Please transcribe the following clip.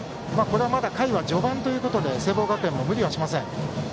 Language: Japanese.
まだ回は序盤ということで聖望学園も無理はしません。